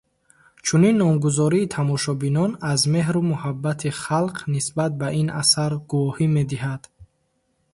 Чунин номгузории тамошобинон аз меҳру муҳаббати халқ нисбат ба ин асар гувоҳӣ медиҳад.